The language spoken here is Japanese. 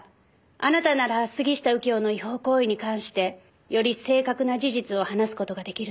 あなたなら杉下右京の違法行為に関してより正確な事実を話す事が出来ると思います。